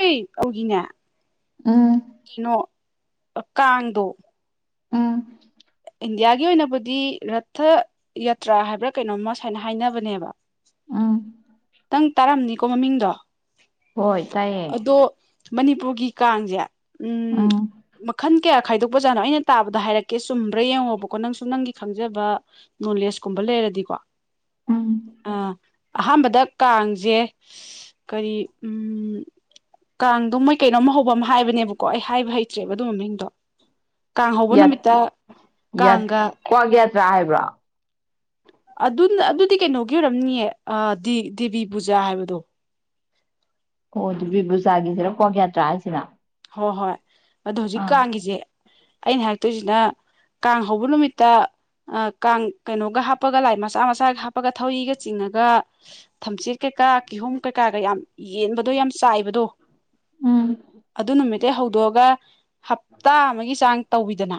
ꯑꯩ ꯑꯩꯒꯤꯅꯦ ꯑꯥ ꯑ ꯀꯥꯡꯗꯣ ꯑꯥ ꯏꯟꯗꯤꯌꯥꯒꯤ ꯑꯣꯏꯅꯕꯨꯗꯤ ꯔꯠꯊ ꯌꯥꯇ꯭ꯔꯥ ꯍꯥꯏꯕ꯭ꯔꯥ ꯀꯩꯅꯣꯝꯃ ꯁꯨꯃꯥꯏꯅ ꯍꯥꯏꯅꯕꯅꯦꯕ ꯎꯝ ꯅꯪ ꯇꯥꯔꯝꯅꯤꯀꯣ ꯃꯃꯤꯡꯗꯣ ꯍꯣꯏ ꯇꯥꯏꯌꯦ ꯑꯗꯣ ꯃꯅꯤꯄꯨꯔꯒꯤ ꯀꯥꯡꯖꯦ ꯎꯝ ꯃꯈꯜ ꯀꯌꯥ ꯈꯥꯏꯗꯣꯛꯄꯥꯅꯣ ꯑꯩꯅ ꯇꯥꯕꯗ ꯍꯥꯏꯛꯀꯦ ꯆꯨꯝꯕ꯭ꯔꯥ ꯌꯦꯡꯉꯣꯕꯀꯣ ꯅꯪꯁꯨ ꯅꯪꯒꯤ ꯈꯪꯖꯕ ꯅꯣꯂꯦꯖꯀꯨꯝꯕ ꯂꯩꯔꯗꯤꯀꯣ ꯎꯝ ꯑ ꯑꯍꯥꯟꯕꯗ ꯀꯥꯡ ꯆꯦ ꯀꯔꯤ ꯎ ꯀꯥꯡꯗꯣ ꯃꯣꯏ ꯀꯩꯅꯣꯝ ꯍꯧꯕ ꯑꯃ ꯍꯥꯏꯕꯅꯦꯕꯀꯣ ꯑꯩ ꯍꯥꯏꯕ ꯍꯩꯇ꯭ꯔꯦꯕ ꯑꯗꯨ ꯃꯃꯤꯡꯗꯣ ꯀꯥꯡ ꯍꯧꯕ ꯌꯥꯠ ꯅꯨꯃꯤꯠꯇ ꯀꯥꯡꯒ ꯀ꯭ꯋꯥꯛ ꯌꯥꯇ꯭ꯔꯥ ꯍꯥꯏꯕ꯭ꯔꯣ ꯑꯗꯨꯅ ꯑꯗꯨꯗꯤ ꯀꯩꯅꯣꯒꯤ ꯑꯣꯏꯔꯝꯅꯤꯌꯦ ꯗꯦꯕꯤ ꯄꯨꯖꯥ ꯍꯥꯏꯕꯗꯣ ꯑꯣ ꯑꯗꯨꯗꯤ ꯗꯦꯕꯤ ꯄꯨꯕꯨꯖꯥꯒꯤ ꯀ꯭ꯋꯥꯥꯛ ꯌꯥꯇ꯭ꯔꯥ ꯍꯥꯏꯁꯤꯅ ꯍꯣꯏ ꯍꯣꯏ ꯑꯣ ꯍꯧꯖꯤꯛ ꯑꯥ ꯀꯥꯡꯒꯤꯁꯦ ꯑꯩꯅ ꯍꯥꯏꯔꯛꯇꯣꯏꯁꯤꯅ ꯀꯥꯡ ꯍꯧꯕ ꯅꯨꯃꯤꯠꯇ ꯀꯥꯡ ꯀꯩꯅꯣꯒ ꯍꯥꯞꯄꯒ ꯂꯥꯏ ꯃꯆꯥ ꯃꯆꯥꯒ ꯍꯥꯞꯄꯒ ꯊꯧꯔꯤꯒ ꯆꯤꯡꯉꯒ ꯊꯝꯆꯦꯠ ꯀꯩꯀꯥ ꯀꯤꯍꯣꯝ ꯀꯩꯀꯥꯒ ꯌꯥꯝ ꯌꯦꯟꯕꯗꯣ ꯌꯥꯝ ꯆꯥꯏꯕꯗꯣ ꯎꯝ ꯑꯗꯨ ꯅꯨꯃꯤꯠꯇ ꯍꯧꯗꯣꯛꯑꯒ ꯍꯞꯇꯥ ꯑꯃꯒꯤ ꯆꯥꯡ ꯇꯧꯋꯤꯗꯅ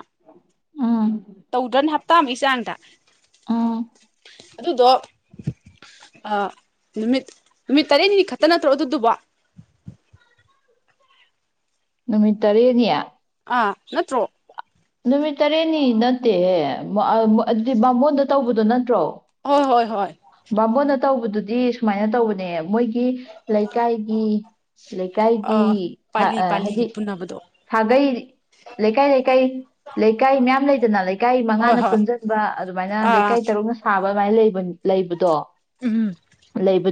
ꯎꯝ ꯇꯧꯗ꯭ꯔꯅꯦ ꯍꯞꯇꯥ ꯑꯃꯒꯤ ꯆꯥꯡꯗ ꯎꯝ ꯑꯗꯨꯗꯣ ꯑꯥ ꯅꯨꯃꯤꯠ ꯅꯨꯃꯤꯠ ꯇꯔꯦꯠꯅꯤ ꯈꯛꯇ ꯅꯠꯇ꯭ꯔꯣ ꯑꯗꯨ ꯑꯗꯨꯕꯣ ꯅꯨꯃꯤꯠ ꯇꯔꯦꯠꯅꯤ ꯑ ꯅꯠꯇ꯭ꯔꯣ ꯅꯨꯃꯤꯠ ꯇꯔꯦꯠꯅꯤ ꯅꯠꯇꯦꯍꯦ ꯃꯣ- ꯑꯥ- ꯃꯣꯏ- ꯑꯗꯨꯗꯤ ꯕꯥꯃꯣꯟꯗ ꯇꯧꯕꯗꯣ ꯅꯠꯇ꯭ꯔꯣ ꯍꯣꯏ ꯍꯣꯏ ꯍꯣꯏ ꯕꯥꯃꯣꯟꯅ ꯇꯧꯕꯗꯨꯗꯤ ꯁꯨꯃꯥꯏꯅ ꯇꯧꯕꯅꯦ ꯃꯣꯏꯒ ꯒꯤ ꯂꯩꯀꯥꯏꯒꯤ ꯂꯩꯀꯥꯏꯒꯤ ꯑꯥ ꯍꯥ- ꯄꯥꯂꯤ ꯑꯥ- ꯍꯥꯏꯗꯤ ꯄꯥꯂꯤꯒ ꯄꯨꯟꯅꯕꯗꯣ ꯁꯥꯒꯩ ꯂꯩꯀꯥꯏ ꯂꯩꯀꯥꯏ ꯂꯩꯀꯥꯏ ꯃꯌꯥꯝ ꯂꯩꯗꯅ ꯂꯩ ꯂꯩꯀꯥꯏ ꯍꯣꯏ ꯃꯉꯥꯅ ꯍꯣꯏ ꯄꯨꯟꯁꯤꯟꯕ ꯑꯗꯨꯃꯥꯏꯅ ꯑꯥ ꯂꯩꯀꯥꯏ ꯇꯔꯨꯛꯅ ꯁꯥꯕ [unintelligible] ꯂꯩꯕꯗꯣ ꯎꯝ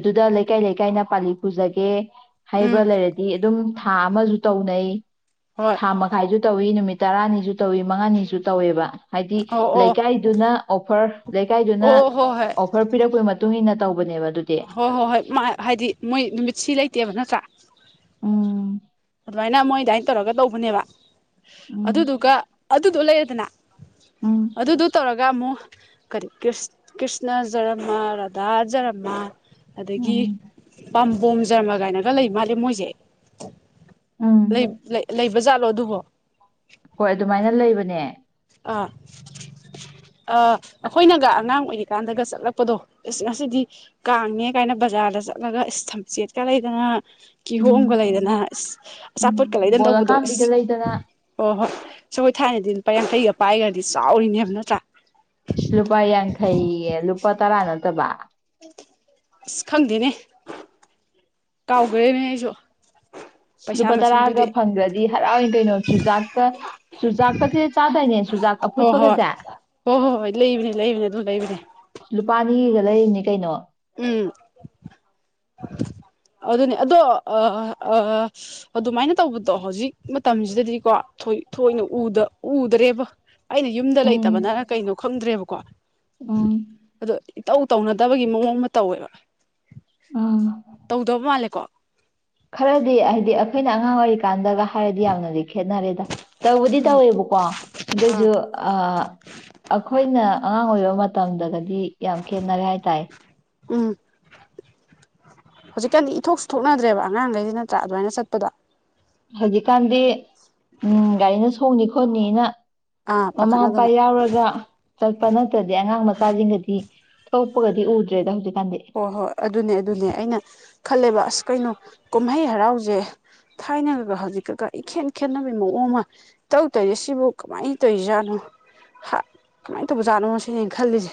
ꯑꯗꯨꯗ ꯂꯩꯀꯥꯏ ꯂꯩꯀꯥꯏꯅ ꯄꯥꯂꯤ ꯄꯨꯖꯒꯦ ꯍꯥꯏꯕ ꯎꯝ ꯂꯩꯔꯗꯤ ꯑꯗꯨꯝ ꯊꯥ ꯑꯃꯁꯨ ꯇꯧꯅꯩ ꯍꯣꯏ ꯊꯥ ꯃꯈꯥꯏꯁꯨ ꯇꯧꯋꯤ ꯅꯨꯃꯤꯠ ꯇꯔꯥꯅꯤ ꯁꯨ ꯇꯧꯋꯤ ꯃꯉꯥꯅꯤꯁꯨ ꯇꯧꯋꯦꯕ ꯍꯥꯏꯗꯤ ꯑꯣ ꯑꯣ ꯂꯩꯀꯥꯏꯗꯨꯅ ꯑꯣꯐꯔ ꯂꯩꯀꯥꯏꯗꯨꯅ ꯑꯣ ꯍꯣꯏ ꯍꯣꯏ ꯑꯣꯐꯔ ꯄꯤꯔꯛꯄꯒꯤ ꯃꯇꯨꯡ ꯏꯟꯅ ꯇꯧꯕꯅꯦꯕ ꯑꯗꯨꯗꯤ ꯍꯣꯏ ꯍꯣꯏ ꯍꯣꯏ ꯃ- ꯍꯥꯏꯗꯤ ꯃꯣꯏ ꯅꯨꯃꯤꯠ ꯁꯤ ꯂꯩꯇꯦꯕ ꯅꯠꯇ꯭ꯔꯥ ꯎꯝ ꯑꯗꯨꯃꯥꯏꯅ ꯃꯣꯏ ꯑꯗꯨꯃꯥꯏꯅ ꯇꯧꯔꯒ ꯇꯧꯕꯅꯦꯕ ꯎꯝ ꯑꯗꯨꯗꯨꯒ ꯑꯗꯨꯗꯣ ꯂꯩ ꯗꯅꯥ ꯎꯝ ꯑꯗꯨꯗꯨ ꯇꯧꯔꯒ ꯑꯃꯨꯛ ꯀꯔꯤ ꯀ꯭ꯔꯤꯁ ꯀ꯭ꯔꯤꯁꯅ ꯖꯔꯃ ꯔꯥꯙꯥ ꯖꯔꯃ ꯑꯗꯒꯤ ꯎꯝ ꯄꯝ ꯕꯣꯝ ꯖꯔꯃ ꯀꯥꯏꯅꯒ ꯂꯩ ꯃꯥꯂꯦ ꯃꯣꯏꯁꯦ ꯎꯝ ꯂꯩ ꯂꯩ ꯂꯩ ꯕꯖꯥꯠꯂꯣ ꯑꯗꯨꯕꯣ ꯍꯣꯏ ꯑꯗꯨꯃꯥꯏꯅ ꯂꯩꯕꯅꯦ ꯑꯥ ꯑꯥ ꯑꯩꯈꯣꯏꯅꯒ ꯑꯉꯥꯡ ꯑꯣꯏꯔꯤ ꯀꯥꯟꯗꯒ ꯆꯠꯂꯛꯄꯗꯣ ꯢꯁ ꯉꯁꯤꯗꯤ ꯀꯥꯡꯅꯦ ꯀꯥꯏꯅ ꯕꯖꯥꯔꯗ ꯆꯠꯂꯒ ꯏꯁ ꯊꯝꯆꯦꯠꯀ ꯂꯩꯗꯅ ꯀꯤꯍꯣꯝꯒ ꯎꯝ ꯂꯩꯗꯅ ꯏꯁ ꯎꯝ ꯑꯆꯥꯄꯣꯠꯀ ꯂꯩꯗꯅ ꯕꯣꯜ ꯇꯧꯕꯗꯣ ꯑꯀꯥꯝꯕꯤꯒ ꯏꯁ ꯂꯩꯗꯅ ꯑꯣ ꯍꯣꯏ ꯑꯈꯣꯏ ꯊꯥꯏꯅꯗꯤ ꯂꯨꯄꯥ ꯌꯥꯡꯈꯩꯒ ꯗꯤ ꯆꯥꯎꯔꯤꯅꯦꯕ ꯅꯠꯇ꯭ꯔꯥ ꯂꯨꯄꯥ ꯌꯥꯡꯈꯩ ꯌꯦ ꯂꯨꯄꯥ ꯇꯔꯥ ꯅꯠꯇꯕ ꯑꯁ ꯈꯪꯗꯦꯅꯦ ꯀꯥꯎꯈ꯭ꯔꯦꯅꯦ ꯑꯩꯁꯨ ꯄꯩꯁꯥ ꯂꯨꯄꯥ ꯇꯔꯥꯒ ꯃꯁꯤꯡꯗꯨꯗꯤ ꯐꯪꯈ꯭ꯔꯗꯤ ꯍꯔꯥꯎꯏ ꯀꯩꯅꯣ ꯆꯨꯖꯥꯛꯀ ꯆꯨꯖꯥꯛꯀꯁꯦ ꯆꯥꯗꯣꯏꯅꯦ ꯆꯨꯖꯥꯛ ꯍꯣꯏ ꯍꯣꯏ ꯑꯐꯨꯠꯄꯒꯁꯦ ꯍꯣꯏ ꯍꯣꯏ ꯍꯣꯏ ꯂꯩꯕꯅꯦ ꯂꯩꯕꯅꯦ ꯑꯗꯨꯝ ꯂꯩꯕꯅꯦ ꯂꯨꯄꯥ ꯂꯩꯔꯤꯅꯤ ꯀꯩꯅꯣ ꯎꯝ ꯑꯗꯨꯅꯦ ꯑꯗꯣ ꯑ- ꯑ- ꯑ- ꯑ- ꯑꯗꯨꯃꯥꯏꯅ ꯇꯧꯕꯗꯣ ꯍꯧꯖꯤꯛ ꯃꯇꯝꯁꯤꯗꯗꯤꯀꯣ ꯊꯣꯏ- ꯊꯣꯏꯅ ꯎꯗ- ꯎꯗ꯭ꯔꯦꯕ ꯑꯩꯅ ꯌꯨꯝꯗ ꯎꯝ ꯂꯩꯇꯕꯅꯔ ꯀꯩꯅꯣ ꯈꯪꯗ꯭ꯔꯦꯕꯀꯣ ꯎꯝ ꯑꯗꯣ ꯇꯧ ꯇꯧꯅꯗꯕꯒꯤ ꯃꯑꯣꯡ ꯑꯃ ꯇꯧꯋꯦꯕ ꯎꯝ ꯇꯧꯗꯕ ꯃꯥꯜꯂꯦꯀꯣ ꯈꯔꯗꯤ ꯍꯥꯏꯗꯤ ꯑꯩꯈꯣꯏꯅ ꯑꯉꯥꯡ ꯑꯣꯏꯔꯤꯀꯥꯟꯗꯒ ꯍꯥꯏꯔꯗꯤ ꯌꯥꯝꯅꯗꯤ ꯈꯦꯠꯅꯔꯦꯗ ꯇꯧꯕꯗꯤ ꯇꯧꯋꯦꯕꯀꯣ ꯑꯥ ꯑꯗꯨꯏꯁꯨ ꯑꯥ ꯑꯩꯈꯣꯏꯅ ꯑꯉꯥꯡ ꯑꯣꯏꯕ ꯃꯇ [unintelligible] ꯗꯤ ꯌꯥꯝ ꯈꯦꯠꯅꯔꯦ ꯍꯥꯏ ꯇꯥꯏ ꯎꯝ ꯍꯧꯖꯤꯛꯀꯥꯟꯗꯤ ꯏꯊꯣꯛꯁꯨ ꯊꯣꯛꯅꯗ꯭ꯔꯦꯕ ꯑꯉꯥꯡꯒꯩꯁꯦ ꯅꯠꯇ꯭ꯔꯥ ꯑꯗꯨꯃꯥꯏꯅ ꯆꯠꯄꯗꯣ ꯍꯧꯖꯤꯛꯀꯥꯟꯗꯤ ꯎꯝ ꯒꯥꯔꯤꯅ ꯁꯣꯡꯅꯤ ꯈꯣꯠꯅꯤꯅ ꯑꯥ ꯃꯃꯥ ꯃꯄꯥ ꯄꯥꯈꯠꯅꯗꯅ ꯌꯥꯎꯔꯒ ꯆꯠꯄ ꯅꯠꯇꯗꯤ ꯑꯉꯥꯡ ꯃꯆꯥꯁꯤꯡꯒꯗꯤ ꯑꯇꯣꯞꯄ ꯀꯗꯤ ꯎꯗ꯭ꯔꯦꯗ ꯍꯧꯖꯤ ꯍꯣꯏ ꯍꯣꯏ ꯑꯗꯨꯅꯦ ꯑꯗꯨꯅꯦ ꯑꯩꯅ ꯈꯜꯂꯦꯕ ꯑꯁ ꯀꯩꯅꯣ ꯀꯨꯝꯍꯩ ꯍꯔꯥꯎꯁꯦ ꯊꯥꯏꯅꯒ ꯍꯧꯖꯤꯛꯀꯒ ꯏꯈꯦꯠ ꯈꯦꯠꯅꯕꯩ ꯃꯑꯣꯡ ꯑꯃ ꯏꯇꯧ ꯇꯧꯔꯤꯁꯦ ꯁꯤꯕꯨ ꯀꯃꯥꯏꯅ ꯇꯧꯔꯤꯖꯥꯠꯅꯣ ꯍ- ꯀꯃꯥꯏꯅ ꯇꯧꯕꯖꯥꯠꯅꯣ ꯁꯤꯅꯦ ꯑꯩꯅ ꯈꯜꯂꯤꯁꯦ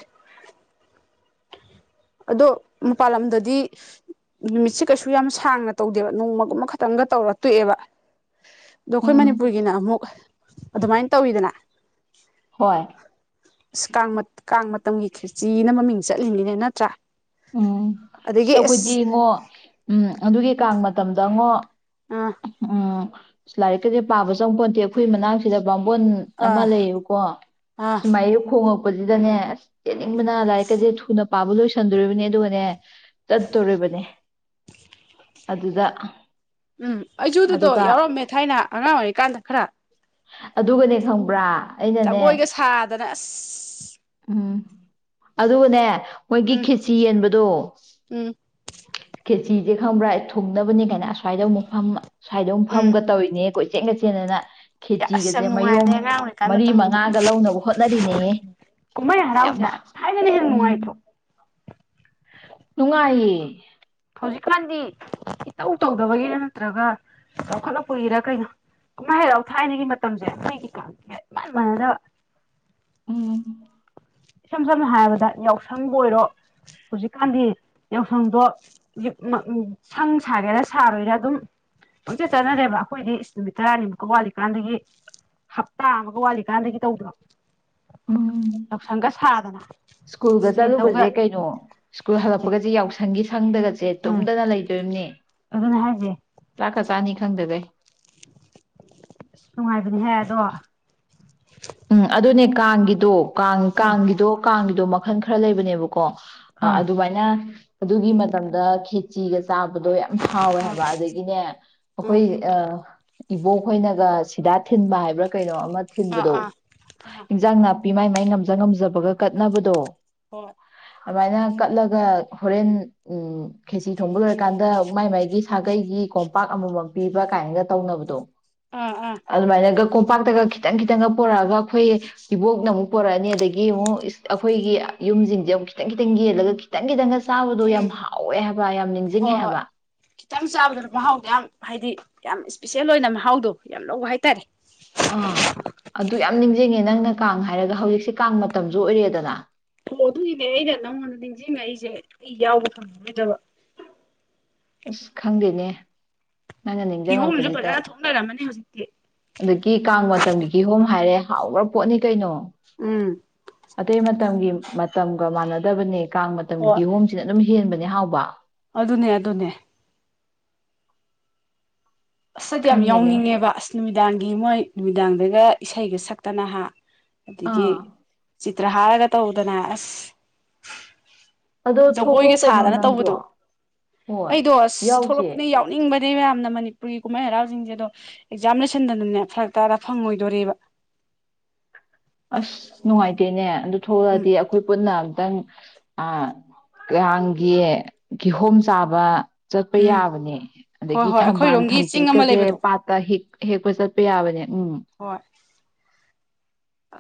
ꯑꯗꯣ ꯃꯄꯥꯜ ꯂꯝꯗꯗꯤ ꯅꯨꯃꯤꯠꯁꯦ ꯀꯩꯁꯨ ꯌꯥꯝ ꯁꯥꯡꯅ ꯇꯧꯗꯦꯕ ꯅꯣꯡꯃꯒꯨꯝꯕ ꯈꯛꯇꯪꯒ ꯇꯣꯛꯑꯦꯕ ꯑꯗꯣ ꯑꯩꯈꯣꯏ ꯎꯝ ꯃꯅꯤꯄꯨꯔꯒꯤꯅ ꯑꯃꯨꯛ ꯑꯗꯨꯃꯥꯏꯅ ꯇꯧꯋꯤꯗꯅ ꯍꯣꯏ ꯏꯁ ꯀꯥꯡꯃꯠ ꯀꯥꯡꯃꯠ ꯃꯇꯝꯒꯤ ꯈꯔꯤꯆꯤꯅ ꯃꯃꯤꯡ ꯆꯠꯂꯤꯅꯦ ꯅꯠꯇ꯭ꯔꯥ ꯎꯝ ꯑꯗꯒꯤ ꯆꯀꯨꯗꯤ ꯑꯁ ꯏꯉꯣ ꯎꯝ ꯑꯗꯨꯒꯤ ꯀꯥꯡ ꯃꯇꯝꯗ ꯗꯉꯣ ꯑꯥ ꯎꯝ ꯂꯥꯏꯔꯤꯛ ꯀꯁꯦ ꯄꯥꯕ ꯆꯪ ꯄꯣꯟꯇꯦ ꯑꯩꯈꯣꯏ ꯃꯅꯥꯛꯁꯤꯗ ꯕꯥꯝꯃꯣꯟ ꯑꯃ ꯑꯥ ꯂꯩꯌꯦꯕꯀꯣ ꯑꯥ ꯁꯨꯃꯥꯏꯌꯨ ꯈꯣꯡꯉꯛ ꯄꯁꯤꯗꯅꯦ [unintelligible] ꯀꯦꯅꯤꯡꯕꯅꯥ ꯂꯥꯢꯔꯤꯛꯀꯥꯁꯦ ꯊꯨꯅ- ꯄꯥꯕꯥ ꯂꯣꯏꯁꯜ ꯗꯨꯔꯕꯥꯅꯦ ꯑꯗꯨꯒꯥꯅꯦ ꯆꯠ ꯇꯧꯔꯤꯕꯅꯦ ꯑꯗꯨꯗ ꯎꯝ ꯑꯩꯖꯨꯑꯗꯨꯗꯣ ꯑꯗꯨꯒ ꯌꯥꯎꯔꯝꯃꯦ ꯊꯥꯏꯅ ꯑꯉꯥꯡ ꯑꯣꯏꯔꯤꯀꯥꯟꯗ ꯈꯔꯥ ꯑꯗꯨꯒꯅꯦ ꯈꯪꯕ꯭ꯔꯥ ꯑꯩꯅꯅꯦ ꯖꯒꯣꯏꯒ ꯁꯥꯗꯅ ꯑꯁ ꯎꯝ ꯑꯗꯨꯒꯅꯦ ꯃꯣꯏꯒꯤ ꯎꯝ ꯈꯦꯠꯆꯤ ꯌꯦꯟꯕꯗꯣ ꯎꯝ ꯈꯦꯠ ꯊꯤꯁꯦ ꯈꯪꯕ꯭ꯔꯥ ꯊꯨꯡꯅꯕꯥꯅꯦ ꯀꯥꯏꯅ ꯑꯁ꯭ꯋꯥꯏꯗ ꯑꯃꯨꯛ ꯐꯝ ꯁ꯭ꯋꯥꯏꯗꯥ ꯃꯨꯛ ꯎꯝ ꯐꯝꯒ ꯇꯧꯔꯤꯅꯦ ꯀꯣꯏ ꯆꯦꯡꯒ ꯆꯦꯟꯗꯥꯅ ꯑꯁ ꯌꯥꯝ ꯈꯦꯠꯆꯤꯒꯁꯦ ꯃꯌꯣꯝ ꯅꯨꯡꯉꯥꯏꯕꯅꯦ ꯑꯉꯥꯡ ꯑꯣꯏꯔꯤꯀꯥꯟ ꯃꯔꯤ ꯃꯇꯝꯒꯤꯗꯣ ꯃꯉꯥꯒ ꯂꯧꯅꯕ ꯍꯣꯠꯅꯔꯤꯅꯦꯍꯦ ꯌꯥꯝ ꯎꯝ ꯅꯨꯡꯉꯥꯏꯇ꯭ꯔꯣ ꯅꯨꯡꯉꯥꯏꯌꯦ ꯍꯧꯖꯤꯛꯀꯥꯟꯗꯤ ꯏꯇꯧ ꯇꯧꯗꯕꯒꯤꯔ ꯅꯠꯇ꯭ꯔꯒ ꯆꯥꯎꯈꯠꯂꯛꯄꯒꯤꯔ ꯀꯩꯅꯣ ꯀꯨꯝꯍꯩ ꯍꯔꯥꯎ ꯊꯥꯏꯅꯒꯤ ꯃꯇꯝꯁꯦ ꯑꯩꯈꯣꯏꯒꯤ ꯀꯥꯟ ꯁꯤꯒꯥ ꯢꯃꯥꯟ ꯃꯥꯟꯅꯗꯕ ꯎꯝ ꯏꯁꯝ ꯁꯝꯅ ꯍꯥꯏꯔꯕꯗ ꯌꯥꯎꯁꯪꯕꯨ ꯑꯣꯏꯔꯣ ꯍꯧꯖꯤꯛꯀꯥꯟꯗꯤ ꯌꯥꯎꯁꯪꯗꯣ ꯁꯪꯡ ꯁꯥꯒꯦꯔꯥ ꯁꯥꯔꯣꯏꯔꯥ ꯑꯗꯨꯝ ꯄꯪꯆꯠ ꯆꯠꯅꯔꯦꯕ ꯑꯩꯈꯣꯏꯗꯤ ꯢꯁ ꯅꯨꯃꯤꯠ ꯇꯔꯥꯅꯤꯃꯨꯛꯀꯥ ꯋꯥꯠꯂꯤꯀꯥꯟꯗꯒꯤ ꯍꯞꯇꯥ ꯑꯃꯒ ꯋꯥꯠꯂꯤꯀꯥꯟꯗꯒꯤ ꯇꯧꯗ꯭ꯔꯣ ꯎꯝ ꯌꯥꯎꯁꯪꯒ ꯁꯥꯗꯅ ꯁ꯭ꯀꯨꯜꯒ ꯌꯦꯟꯗꯧꯒ ꯆꯠꯂꯨꯕꯁꯦ ꯀꯩꯅꯣ ꯁ꯭ꯀꯨꯜ ꯍꯜꯂꯛꯄꯒꯁꯦ ꯌꯥꯎꯁꯪꯒꯤ ꯁꯪꯗꯒꯁꯦ ꯇꯨꯝꯗꯅ ꯂꯩꯗꯣꯏꯅꯦ ꯑꯗꯨꯅꯦ ꯍꯥꯏꯁꯦ ꯆꯥꯛꯀꯥ ꯆꯥꯅꯤ ꯈꯪꯗꯈꯩꯢ ꯅꯨꯡꯉꯥꯏꯕꯅꯤꯍꯦ ꯑꯗꯣ ꯎꯝ ꯑꯗꯨꯅꯦ ꯀꯥꯡꯒꯤꯗꯣ ꯀꯥꯡ ꯀꯥꯡꯒꯤꯗꯣ ꯀꯥꯡꯒꯤ ꯑꯗꯣ ꯃꯈꯜ ꯈꯔ ꯂꯩꯕꯅꯦꯕ ꯀꯣ ꯑꯥ ꯑꯗꯨꯃꯥꯏꯅ ꯑꯗꯨꯒꯤ ꯃꯇꯝꯗ ꯈꯤꯠ ꯆꯤꯒ ꯆꯥꯕꯗꯣ ꯌꯥꯝ ꯍꯥꯎꯋꯦ ꯍꯥꯏꯕ ꯑꯗꯒꯤꯅꯦ ꯎꯝ ꯑꯩꯈꯣꯏ ꯑꯥ ꯏꯕꯣꯛ ꯍꯣꯏꯅꯒ ꯁꯤꯗꯥ ꯊꯤꯟꯕ ꯍꯥꯏꯕ꯭ꯔꯥ ꯀꯩꯅꯣ ꯑꯃ ꯑꯃꯥ ꯑꯥ ꯊꯤꯟꯕꯗꯣ ꯑꯥ ꯑꯥ ꯑꯦꯟꯖꯥꯡ ꯅꯥꯞ ꯅꯥꯄꯤ ꯃꯥꯏ ꯃꯥꯏ ꯉꯝꯖ ꯉꯝꯖꯕꯒ ꯀꯠꯅꯕꯗꯣ ꯍꯣꯏ ꯑꯗꯨꯃꯥꯏꯅ ꯀꯠꯂꯒ ꯍꯣꯔꯦꯟ ꯎꯝ ꯈꯦꯠꯆꯤ ꯊꯣꯡꯕ ꯂꯣꯏꯔꯀꯥꯟꯗ ꯃꯥꯏ ꯃꯥꯏꯒꯤ ꯁꯥꯒꯩꯒꯤ ꯀꯣꯝꯄꯥꯛ ꯑꯃꯃꯝ ꯄꯤꯕ ꯀꯥꯏꯅꯒ ꯇꯧꯅꯕꯗꯣ ꯑꯥ ꯑꯥ ꯑꯗꯨꯃꯥꯏꯅꯒ ꯀꯣꯝꯄꯥꯛꯇꯒ ꯈꯤꯇꯪ ꯈꯤꯇꯪꯒ ꯄꯣꯔꯛꯑꯒ ꯑꯩꯈꯣꯏ ꯏꯕꯣꯛꯅ ꯑꯃꯨꯛ ꯄꯣꯔꯛꯑꯅꯤ ꯑꯗꯒꯤ ꯑꯃꯨꯛ ꯑꯩꯈꯣꯏꯒꯤ ꯌꯨꯝꯁꯤꯡꯁꯦ ꯑꯃꯨꯛ ꯈꯤꯇꯪ ꯈꯤꯇꯪ ꯌꯦꯜꯂꯒ ꯈꯤꯇꯪ ꯈꯤꯇꯪꯒ ꯆꯥꯕꯗꯣ ꯌꯥꯝ ꯎꯝ ꯍꯥꯎꯋꯦ ꯍꯥꯏꯕ ꯌꯥꯝ ꯍꯣꯏ ꯅꯤꯡꯁꯤꯡꯉꯦ ꯍꯣꯏ ꯍꯥꯏꯕ ꯈꯤꯇꯪ ꯆꯥꯕꯗꯅ ꯃꯍꯥꯎꯗꯤ ꯌꯥꯝ ꯍꯥꯏꯗꯤ ꯌꯥꯝ ꯏꯁꯄꯤꯁꯦꯜ ꯑꯣꯏꯅ ꯃꯍꯥꯎꯗꯣ ꯌꯥꯝ ꯂꯧꯕ ꯍꯥꯏꯇꯥꯔꯦ ꯌꯦꯡꯉꯦ ꯅꯪꯅ ꯀꯥꯡ ꯍꯥꯏꯔꯒ ꯍꯧꯖꯤꯛꯁꯦ ꯀꯥꯡ ꯃꯇꯝꯁꯨ ꯑꯣꯏꯔꯦꯗꯅ ꯍꯣ ꯑꯗꯨꯒꯤꯅꯦ ꯑꯩꯅ ꯅꯉꯣꯟ ꯅꯤꯡꯖꯤꯡ ꯉꯛꯏꯁꯦ ꯑꯩ ꯌꯥꯎꯕ ꯐꯪꯉꯔꯣꯏꯗꯕ [unintelligible] ꯑꯁ ꯈꯪꯗꯦꯅꯦ ꯅꯪꯩꯅ ꯀꯤꯍꯣꯝꯁꯨ ꯅꯤꯡꯁꯤꯡꯉꯛꯄꯁꯤꯗ ꯐꯖꯅ ꯊꯣꯛꯅꯔꯝꯃꯅꯤ ꯍꯧꯖꯤꯛꯇꯤ ꯑꯗꯒꯤ ꯀꯥꯡ ꯃꯇꯝꯒꯤ ꯀꯤꯍꯣꯝ ꯍꯥꯏꯔꯦ ꯍꯥꯎꯒꯔ ꯄꯣꯠꯅꯤ ꯀꯩꯅꯣ ꯎꯝ ꯑꯇꯩ ꯃꯇꯝꯒꯤ ꯃꯇꯝꯒ ꯃꯥꯟꯅꯗꯕꯅꯦ ꯀꯥꯡ ꯃꯇꯝꯒꯤ ꯍꯣꯏ ꯀꯤꯍꯣꯝꯁꯤꯅ ꯑꯗꯨꯝ ꯍꯦꯟꯕꯅꯦ ꯍꯥꯎꯕ ꯑꯗꯨꯅꯦ ꯑꯗꯨꯅꯦ ꯑꯁ ꯑꯩꯗꯤ ꯌꯥꯝ ꯌꯥꯎꯅꯤꯡꯉꯦꯕ ꯑꯁ ꯅꯨꯃꯤꯠ ꯅꯨꯃꯤꯗꯥꯡꯒꯤ ꯃꯣꯏ ꯅꯨꯃꯤꯗꯥꯡꯗꯒ ꯏꯁꯩꯒ ꯁꯛꯇꯅ ꯍꯥ ꯑꯗꯒꯤ ꯑꯥ ꯆꯤ [unintelligible] ꯇ꯭ꯔꯍꯥꯥꯔꯒ ꯇꯧꯗꯅ ꯑꯁ ꯑꯗꯣ ꯖꯒꯣꯏꯒ ꯊꯣꯛꯂꯛꯎ ꯀꯩꯅꯣ ꯁꯥꯗꯅ ꯅꯪꯁꯨ ꯇꯧꯕꯗꯣ ꯍꯣꯏ ꯑꯩꯗꯣ ꯑꯁ ꯌꯥꯎꯁꯦ ꯊꯣꯛꯂꯛꯄꯅꯤ ꯌꯥꯎꯅꯤꯡꯕ ꯌꯥꯝꯅ ꯃꯅꯤ [unintelligible] ꯃꯄꯨꯔꯤꯒꯤ ꯀꯨꯝꯍꯩ ꯍꯔꯥꯎꯁꯤꯡꯁꯦ ꯑꯗꯣ ꯑꯦꯛꯖꯥꯝ ꯂꯣꯏꯁꯤꯟꯗꯅꯅꯦ ꯐꯔꯛ ꯇꯥꯔ ꯐꯪꯉꯣꯏꯗꯣꯔꯤꯕ ꯑꯁ ꯅꯨꯡꯉꯥꯏꯇꯦꯅꯦ ꯑꯗꯨ ꯎꯝ ꯊꯣꯛꯂꯛꯑꯗꯤ ꯑꯩꯈꯣꯏ ꯄꯨꯟꯅ ꯈꯤꯇꯪ ꯑ ꯀꯥꯡꯒꯤ ꯀꯤꯍꯣꯝ ꯆꯥꯕ ꯆꯠꯄ ꯎꯝ ꯌꯥꯕꯅꯦ ꯍꯣꯏ ꯑꯗꯒꯤ ꯍꯣꯏ ꯊꯝꯕꯥꯜ ꯑꯩꯈꯣꯏꯔꯣꯝꯒꯤ ꯊꯝꯖꯦꯠ ꯆꯤꯡ ꯑꯃ ꯀꯁꯦ ꯂꯩꯕꯗꯣ ꯄꯥꯠꯇ ꯍꯤꯛ ꯍꯦꯛꯄ ꯆꯠꯄ ꯌꯥꯕꯅꯦ ꯎꯝ ꯍꯣꯏ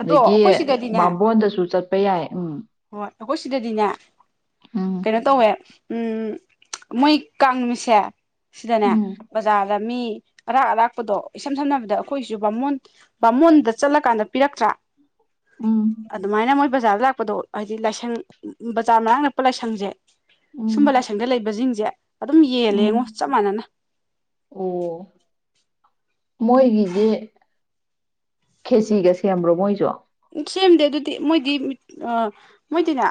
ꯑꯗꯣ ꯑꯗꯒꯤ ꯑꯩꯈꯣꯏ ꯁꯤꯗꯗꯤꯅꯦ ꯕꯥꯝꯕꯣꯟꯗꯁꯨ ꯆꯠꯄ ꯌꯥꯏ ꯎꯝ ꯍꯣꯏ ꯑꯩꯈꯣꯏ ꯁꯤꯗꯗꯤꯅꯦ ꯎꯝ ꯀꯩꯅꯣ ꯇꯧꯋꯦ ꯎꯝ ꯃꯣꯏ ꯀꯪꯃꯤꯁꯦ ꯁꯤꯗꯅꯦ ꯎꯝ ꯕꯖꯥꯔꯗ ꯃꯤ ꯑꯔꯥꯛ ꯑꯔꯥꯛꯄꯗꯣ ꯏꯁꯝ ꯁꯝꯅꯕꯗ ꯑꯩꯈꯣꯏꯁꯨ ꯕꯥꯃꯣꯟ ꯕꯥꯃꯣꯟꯗ ꯆꯠꯂꯀꯥꯟꯗ ꯄꯤꯔꯛꯇ꯭ꯔꯥ ꯎꯝ ꯑꯗꯨꯃꯥꯏꯅ ꯃꯣꯏ ꯕꯖꯥꯔꯗ ꯂꯥꯛꯄꯗꯣ ꯍꯥꯏꯗꯤ ꯂꯥꯏꯁꯪ ꯕꯖꯥꯔ ꯃꯅꯥꯛ ꯅꯛꯄ ꯂꯥꯏꯁꯪꯁꯦ ꯎꯝ ꯁꯨꯝꯕ ꯂꯥꯏꯁꯪꯗ ꯂꯩꯕꯁꯤꯡꯁꯦ ꯑꯗꯨꯝ ꯌꯦꯜꯂꯦ ꯎꯝ ꯉꯣ ꯆꯞ ꯃꯅꯅ ꯑꯣ ꯃꯣꯏꯒꯤꯗꯤ ꯈꯦꯆꯤꯒ ꯁꯦꯝꯕ꯭ꯔꯣ ꯃꯣꯏꯖꯨ ꯁꯦꯝꯗꯦ ꯑꯗꯨꯗꯤ ꯃꯣꯏꯗꯤ ꯑꯥ ꯃꯣꯏꯗꯤꯅꯦ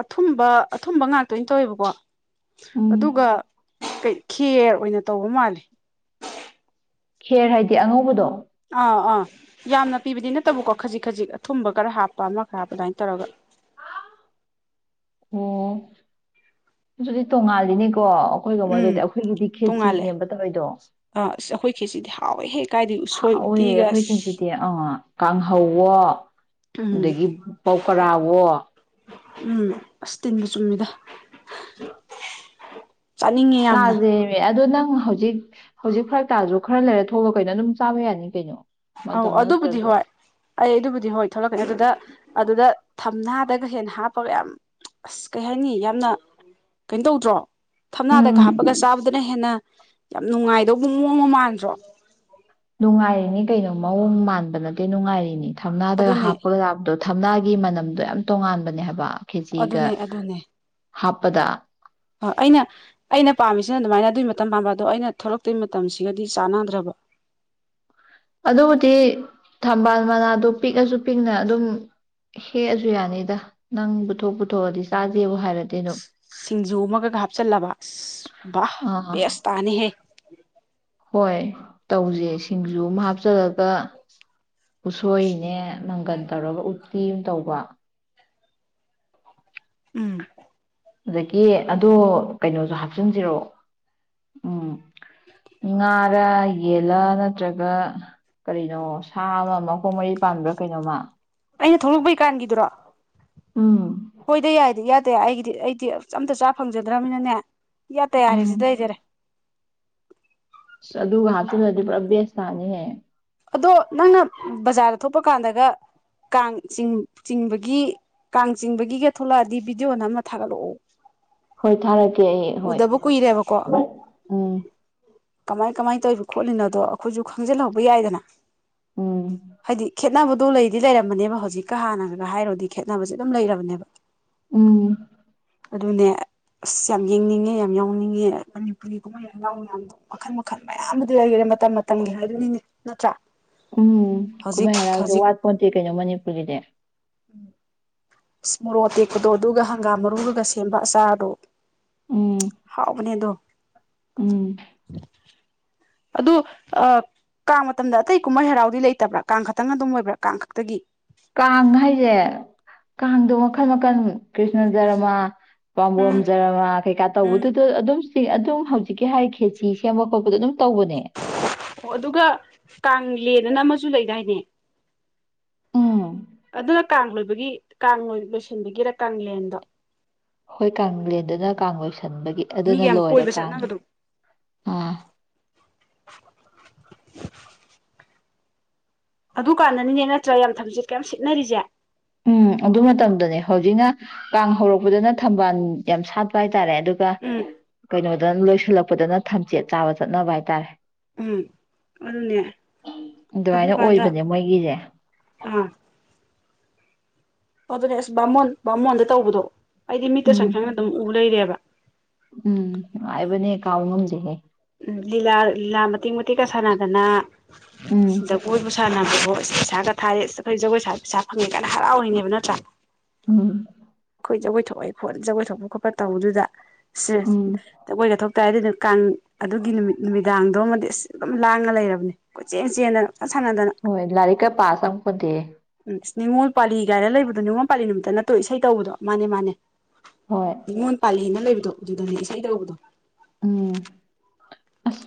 ꯑꯊꯨꯝꯕ ꯑꯊꯨꯝꯕ ꯉꯥꯛꯇꯥ ꯑꯣꯏꯅ ꯇꯧꯋꯦꯕꯀꯣ ꯎꯝ ꯑꯗꯨꯒ ꯀꯩ ꯈꯦꯔ ꯑꯣꯏꯅ ꯇꯧꯕ ꯃꯥꯜꯂꯤ ꯈꯦꯔ ꯍꯥꯏꯗꯤ ꯑꯉꯧꯕꯗꯣ ꯑꯥ ꯌꯥꯝꯅ ꯄꯤꯕꯗꯤ ꯅꯠꯇꯕꯀꯣ ꯈꯖꯤꯛ ꯈꯖꯤꯛ ꯑꯊꯨꯝꯕ ꯈꯔ ꯍꯥꯞꯄ ꯑꯃ ꯈꯔ ꯍꯥꯞꯄ ꯑꯗꯥꯏꯟ ꯇꯧꯔꯒ ꯑꯣ ꯑꯗꯨꯗꯤ ꯇꯣꯡꯉꯟꯂꯤꯅꯦ ꯀꯣ ꯑꯈꯣꯢꯒ ꯃꯣꯏꯒꯗꯤ ꯎꯝ ꯑꯈꯣꯏꯒꯤꯗꯤ ꯇꯣꯡꯉꯥꯜꯂꯦ ꯈꯦꯠꯆꯤꯅꯦꯕ ꯇꯧꯔꯤꯗꯣ ꯑꯥ ꯑꯁ ꯑꯩꯈꯣꯏ ꯈꯦꯁꯤꯗꯤ ꯍꯥꯎꯋꯦꯍꯦ ꯀꯥꯏꯗꯩ ꯎꯁꯣꯏ ꯍꯥꯎꯋꯦ ꯎꯇꯤꯒ ꯑꯈꯣꯏ ꯑꯁ ꯈꯦꯆꯤꯗꯤ ꯑꯥ ꯀꯥꯡꯍꯧꯋꯣ ꯎꯝ ꯑꯗꯒꯤ ꯄꯧꯀꯔꯥꯋꯣ ꯎꯝ ꯑꯁ ꯇꯤꯟꯒ ꯆꯨꯝꯃꯤꯗ ꯆꯥꯅꯤꯡꯉꯦ ꯌꯥꯝꯅ ꯆꯥꯖꯦꯃꯦ ꯑꯗꯣ ꯅꯪ ꯍꯧꯖꯤꯛ ꯍꯧꯖꯤꯛ ꯐꯔꯛ ꯇꯥꯔꯖꯨ ꯈꯔꯥ ꯂꯩꯔꯥ ꯊꯣꯛꯂꯛꯑꯣ ꯀꯩꯅꯣ ꯑꯗꯨꯝ ꯆꯥꯕ ꯌꯥꯅꯤ ꯀꯩꯅꯣ ꯑꯧ ꯃꯇꯝ ꯑꯗꯨꯕꯨꯗꯤ ꯅꯠꯇ꯭ꯔꯁꯨ ꯍꯣꯏ ꯑꯩ ꯑꯗꯨꯕꯨꯗꯤ ꯍꯣꯏ ꯊꯣꯛꯂꯛꯀꯅꯤ ꯑꯗꯨꯗ ꯑꯗꯨꯗ ꯊꯝꯅꯥꯗꯒ ꯍꯦꯟꯅ ꯍꯥꯞꯄꯒ ꯌꯥꯝ ꯑꯁ ꯀꯩ ꯍꯥꯏꯅꯤ ꯌꯥꯝꯅ ꯀꯩꯥꯝ ꯇꯧꯗ꯭ꯔꯣ ꯊꯝꯅꯥꯗꯒ ꯎꯝ ꯍꯥꯞꯄꯒ ꯆꯥꯕꯗꯨꯅ ꯍꯦꯟꯅ ꯌꯥꯝ ꯅꯨꯡꯉꯥꯏꯗꯧꯕ ꯃꯑꯣꯡꯒ ꯃꯥꯟꯗ꯭ꯔꯣ ꯅꯨꯡꯉꯥꯏꯔꯤꯅꯤ ꯀꯩꯅꯣ ꯃꯑꯣꯡ ꯃꯥꯟꯕ ꯅꯠꯇꯦ ꯅꯨꯡꯉꯥꯏꯔꯤꯅꯤ ꯊꯝꯅꯥꯗꯒ ꯑꯗꯨꯅꯦ ꯍꯥꯞꯄꯒ ꯆꯕꯗꯣ ꯊꯝꯅꯥꯒꯤ ꯃꯅꯝꯗꯣ ꯌꯥꯝ ꯇꯣꯉꯥꯟꯕꯅꯦ ꯍꯥꯏꯕ ꯈꯦꯆꯤꯒ ꯑꯗꯨꯅꯦ ꯑꯗꯨꯅꯦ ꯍꯥꯞꯄꯗ ꯑ ꯑꯩꯅ ꯑꯩꯅ ꯄꯥꯝꯃꯤꯁꯤꯅ ꯑꯗꯨꯃꯥꯏꯅ ꯑꯗꯨꯏ [unintelligible] ꯑꯩꯅ ꯊꯣꯛꯂꯛꯇꯣꯏ ꯃꯇꯝꯁꯤꯒꯗꯤ ꯆꯥꯅꯗ꯭ꯔꯕ ꯑꯗꯨꯕꯨꯗꯤ ꯊꯝꯕꯥꯜ ꯃꯅꯥꯗꯣ ꯄꯤꯛꯑꯁꯨ ꯄꯤꯛꯅ ꯑꯗꯨꯝ ꯍꯦꯛꯑꯁꯨ ꯌꯥꯅꯤꯗ ꯅꯪꯕꯨ ꯊꯣꯛꯄꯨ ꯊꯣꯛꯑꯗꯤ ꯆꯥꯖꯦꯕꯨ ꯍꯥꯏꯔꯗꯤ ꯑꯗꯨꯝ ꯁꯤꯡꯖꯨ ꯑꯃꯒ ꯒ ꯍꯥꯞꯆꯜꯂꯕ ꯑꯁ ꯕꯥ ꯕꯦꯁ ꯑꯥ ꯇꯥꯅꯤꯍꯦ ꯍꯣꯏ ꯇꯧꯖꯦ ꯁꯤꯡꯖꯨ ꯑꯃ ꯍꯥꯞꯆꯤꯜꯂꯒ ꯎꯁꯣꯏꯅꯦ ꯃꯪꯒꯟ ꯇꯧꯔꯒ ꯎꯇꯤ ꯑꯃ ꯇꯧꯕ ꯎꯝ ꯑꯗꯒꯤ ꯑꯗꯣ ꯀꯩꯅꯣꯖꯨ ꯍꯥꯞꯆꯟꯖꯤꯔꯣ ꯎꯝ ꯉꯥꯔꯥ ꯌꯦꯜꯂꯥ ꯅꯠꯇ꯭ꯔꯒ ꯀꯔꯤꯅꯣ ꯁꯥ ꯑꯃ ꯃꯈꯣꯡ ꯃꯔꯤ ꯄꯥꯟꯕ꯭ꯔꯥ ꯀꯩꯅꯣꯝꯃ ꯑꯩꯅꯥ ꯊꯣꯛꯂꯛꯄꯩꯀꯥꯟꯒꯤꯗꯨꯔꯣ ꯎꯝ ꯍꯣꯏꯗ ꯌꯥꯏꯗ ꯏꯌꯗ ꯌꯥꯏ ꯑꯩꯒꯤꯗꯤ ꯑꯩꯗꯤ ꯑꯝꯇ ꯆꯥ ꯐꯪꯖꯗ꯭ꯔꯕꯅꯤꯅꯥꯅꯦ ꯏꯌꯥꯇꯥ ꯌꯥꯔꯦ ꯎꯝ ꯁꯤꯗꯥ ꯂꯩꯖꯔꯦ ꯁ ꯑꯗꯨꯒ ꯍꯥꯞꯆꯤꯜꯂꯗꯤ ꯄꯨꯔꯥ ꯕꯦꯁ ꯇꯥꯅꯤꯍꯦ ꯑꯗꯣ ꯅꯪꯅ ꯕꯖꯥꯔꯗ ꯊꯣꯛꯄ ꯀꯥꯟꯗꯒ ꯀꯥꯡ ꯆꯤꯡ ꯆꯤꯡꯕꯒꯤ ꯀꯥꯡ ꯆꯤꯡꯕꯒꯤꯒ ꯊꯣꯛꯂꯛꯑꯗꯤ ꯚꯤꯗꯤꯑꯣ ꯅꯝꯃꯒꯥ ꯊꯥꯒꯠꯂꯛꯑꯣ ꯍꯣꯏ ꯊꯥꯔꯛ ꯀꯦꯑꯦ ꯍꯣꯏ ꯎꯗꯕ ꯀꯨꯏꯔꯦꯕꯀꯣ ꯎꯝ ꯀꯃꯥꯏ ꯀꯃꯥꯏꯅ ꯇꯧꯔꯤꯕ ꯈꯣꯠꯂꯤꯅꯣꯗꯣ ꯑꯩꯈꯣꯏꯁꯨ ꯈꯪꯖꯤꯜꯍꯧꯕ ꯌꯥꯏꯗꯅ ꯎꯝ ꯍꯥꯏꯗꯤ ꯈꯦꯠꯅꯕꯗꯣ ꯂꯩꯗꯤ ꯂꯩꯔꯝꯃꯅꯦꯕ ꯍꯧꯖꯤꯛꯀ ꯍꯥꯟꯅꯒ ꯍꯥꯏꯔꯨꯔꯗꯤ ꯈꯦꯠꯅꯕꯁꯦ ꯑꯗꯨꯝ ꯂꯩꯔꯕꯅꯦꯕ ꯎꯝ ꯑꯗꯨꯅꯦ ꯑꯁ ꯌꯥꯝ ꯌꯦꯡꯅꯤꯡꯉꯦ ꯌꯥꯝ ꯌꯥꯎꯅꯤꯡꯉꯦ ꯃꯅꯤꯄꯨꯔꯤꯒꯨꯝꯕ ꯀꯨꯝꯍꯩ ꯍꯔꯥꯎ ꯃꯌꯥꯝꯒꯨꯝ ꯃꯈꯜ ꯃꯈꯜ ꯃꯌꯥꯝ ꯑꯃꯗꯤ ꯂꯩꯈꯔꯦ ꯃꯇꯝ ꯃꯇꯝꯒꯤ ꯍꯥꯏꯗꯨꯅꯤꯅꯦ ꯅꯠꯇ꯭ꯔꯥ ꯎꯝ ꯍꯧꯖꯤꯛ ꯀꯨꯝꯍꯩ ꯍꯔꯥꯎꯡꯁꯦ ꯍꯧꯖꯤꯛ ꯋꯥꯠꯄꯣꯠꯇꯦ ꯀꯩꯅꯣ ꯃꯅꯤꯄꯨꯔꯒꯤꯗꯤ ꯎꯝ ꯍꯪꯒꯥꯝ ꯃꯔꯨꯒꯒ ꯁꯦꯝꯕ ꯑꯆꯥꯔꯗꯣ ꯎꯝ ꯍꯥꯎꯕꯅꯦꯗꯣ ꯎꯝ ꯑꯗꯨ ꯑ ꯀꯥꯡ ꯃꯇꯝꯗ ꯑꯇꯩ ꯀꯨꯝꯍꯩ ꯍꯔꯥꯎꯗꯤ ꯂꯩꯇꯕ꯭ꯔꯥ ꯀꯥꯡ ꯈꯛꯇꯪ ꯑꯗꯨꯝ ꯑꯣꯏꯕ꯭ꯔꯥ ꯀꯥꯡ ꯈꯛꯇꯒꯤ ꯀꯥꯡ ꯍꯥꯏꯁꯦ ꯀꯥꯡꯗꯣ ꯃꯈꯜ ꯃꯈꯜ ꯀ꯭ꯔꯤꯁꯅ ꯙꯔꯃꯥ ꯎꯝ ꯕꯥꯃꯣꯟꯖꯔꯃ ꯀꯩꯀꯥ ꯎꯝ ꯇꯧꯕꯗꯨꯗ ꯑꯗꯨꯝ ꯁꯤ ꯑꯗꯨꯝ ꯍꯧꯖꯤꯛꯀꯤ ꯍꯥꯏꯈꯔꯤꯁꯤ ꯁꯦꯝꯕ ꯈꯣꯠꯄꯗ ꯑꯗꯨꯝ ꯇꯧꯕꯅꯦ ꯑꯣ ꯑꯗꯨꯒ ꯀꯥꯡ ꯃꯦꯗꯅ ꯑꯃꯁꯨ ꯂꯩꯗꯥꯏꯅꯦ ꯎꯝ ꯑꯗꯨꯅ ꯀꯥꯡ ꯂꯣꯏꯕꯒꯤ ꯀꯥꯡ ꯂꯣꯏꯁꯤꯟꯕꯒꯤꯔ ꯀꯥꯡꯂꯦꯟꯗꯣ ꯍꯣꯏ ꯀꯥꯡꯂꯦꯟꯗꯅ ꯀꯥꯡ ꯂꯣꯏꯁꯟ ꯁꯟꯕꯒꯤ ꯑꯗꯨꯅ ꯃꯤꯒ ꯌꯥꯝ ꯂꯣꯏꯔꯦ ꯀꯣꯏꯕ ꯀꯥꯡꯗꯤ ꯆꯠꯅꯕꯗꯣ ꯑꯥ [inaudible] ꯑꯗꯨ ꯀꯥꯟꯗꯅꯤꯅꯦ ꯅꯠꯇ꯭ꯔꯥ ꯌꯥꯝ ꯊꯝꯆꯦꯠ ꯀꯌꯥꯝ ꯁꯤꯠꯅꯔꯤꯁꯦ ꯎꯝ ꯑꯗꯨ ꯃꯇꯝꯗꯅꯦ ꯍꯧꯖꯤꯛꯅ ꯀꯥꯡ ꯍꯧꯔꯛꯄꯗꯅ ꯊꯝꯕꯥꯜ ꯌꯥꯝ ꯁꯥꯠꯄ ꯍꯥꯏ ꯍꯥꯏ ꯇꯔꯦ ꯑꯗꯨꯒ ꯎꯝ ꯀꯩꯅꯣ ꯅ ꯂꯣꯏꯁꯤꯜꯂꯛꯄꯗꯅ ꯊꯝꯆꯦꯠ ꯆꯥꯕ ꯆꯠꯅꯕ ꯍꯥꯏꯇꯥꯔꯦ ꯎꯝ ꯑꯗꯨꯅꯦ ꯑꯗꯨꯃꯥꯏꯅ ꯑꯗꯨꯀꯥꯟꯗ ꯑꯣꯏꯕꯅꯦ ꯃꯣꯏꯒꯤꯁꯦ ꯑꯥ ꯑꯗꯨꯅꯦ ꯑꯦꯁ ꯕꯥꯃꯣꯟ ꯕꯥꯃꯣꯟꯗ ꯇꯧꯕꯗꯣ ꯑꯩꯗꯤ ꯃꯤꯠꯇ ꯁꯪ ꯎꯝ ꯁꯪꯅ ꯑꯗꯨꯝ ꯎ ꯂꯩꯔꯦꯕ ꯎꯝ ꯅꯨꯡꯉꯥꯏꯕꯅꯦ ꯀꯥꯎ ꯉꯝꯗꯦꯍꯦ ꯎꯝ ꯂꯤꯂꯥ ꯂꯤꯂꯥ ꯃꯇꯦꯛ ꯃꯇꯦꯛꯀ ꯁꯥꯟꯅꯗꯅ ꯎꯝ ꯖꯒꯣꯏꯕꯨ ꯁꯥꯅꯗꯅ ꯑꯣ ꯄꯩꯁꯥꯒ ꯊꯥꯔꯦ ꯑꯩꯈꯣꯏ ꯖꯒꯣꯏ ꯁꯥ ꯄꯩꯁꯥ ꯐꯪꯉꯦ ꯀꯥꯏꯅ ꯍꯔꯥꯎꯋꯤꯅꯦꯕ ꯅꯠꯇ꯭ꯔꯥ ꯎꯝ ꯑꯩꯈꯣꯏ ꯖꯒꯣꯏ ꯊꯣꯛꯑꯦ ꯈꯣꯠꯂ ꯖꯒꯣꯏ ꯊꯣꯛꯄ ꯈꯣꯠꯄ ꯇꯧꯕꯗꯨꯗ ꯁꯦꯁ ꯎꯝ ꯖꯒꯣꯏꯒ ꯊꯣꯛ ꯀꯥꯏꯗꯅꯣ ꯀꯥꯡ ꯑꯗꯨꯒꯤ ꯅꯨꯃꯤꯠ ꯅꯨꯃꯤꯠ ꯗꯥꯡꯗꯣ ꯑꯃꯗꯤ ꯑꯁ ꯑꯗꯨꯝ ꯂꯥꯡꯉ ꯂꯩꯔꯕꯅꯤ ꯀꯣꯏꯆꯦꯟ ꯆꯦꯟꯗꯅ ꯄꯪꯁꯥꯟ ꯁꯥꯟꯅꯗꯅ ꯍꯣꯏ ꯂꯥꯏꯔꯤꯛꯀ ꯄꯥ ꯆꯪꯄꯣꯟꯇꯦꯍꯦ ꯎꯝ ꯏꯁ ꯅꯤꯡꯉꯣꯜ ꯄꯥꯂꯤ ꯒꯥꯏꯅ ꯂꯩꯕꯗꯣ ꯅꯤꯡꯉꯣꯜ ꯄꯥꯂꯤ ꯅꯨꯃꯤꯠꯇ ꯅꯠꯇ꯭ꯔꯣ ꯏꯁꯩ ꯇꯧꯕꯗꯣ ꯃꯥꯅꯦ ꯃꯥꯅꯦ ꯍꯣꯏ [inaudible] ꯅꯤꯉꯣꯜ ꯄꯥꯂꯤꯅ ꯂꯩꯕ ꯗꯣ ꯗꯨꯗꯅꯦ ꯏꯁꯩ ꯇꯧꯔꯨꯕꯗꯣ ꯎꯝ ꯑꯁ